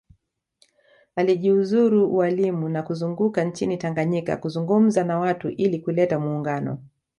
Alijiuzuru ualimu na kuzunguka nchini Tanganyika kuzungumza na watu ili kuleta muungano